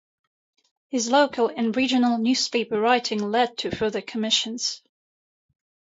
His local and regional newspaper writing led to further commissions.